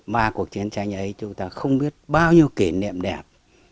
mà cuộc chiến tranh ấy chúng ta không biết bao nhiêu kỷ niệm đẹp